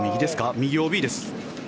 右、ＯＢです。